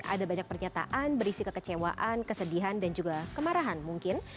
ada banyak pernyataan berisi kekecewaan kesedihan dan juga kemarahan mungkin